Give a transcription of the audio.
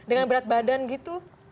dengan berat badan gitu